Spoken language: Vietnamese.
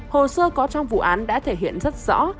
hồ sơ có trong vụ án đã thể hiện rất rõ